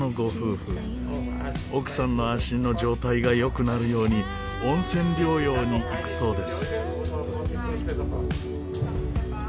奥さんの足の状態が良くなるように温泉療養に行くそうです。